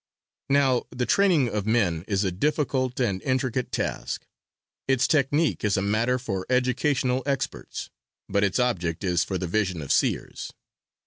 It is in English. Now the training of men is a difficult and intricate task. Its technique is a matter for educational experts, but its object is for the vision of seers.